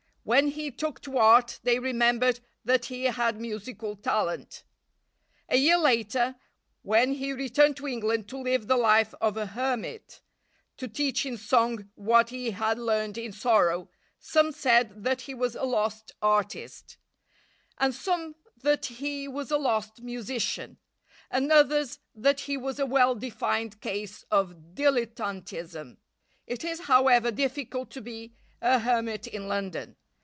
When he took to art they remembered that he had musical talent. A year later, when he returned to England to live the life of a hermit, to teach in song what he had learned in sorrow, some said that he was a lost artist, and some that he was a lost musician, and others that he was a well defined case of dilettantism. It is, however, difficult to be a hermit in London.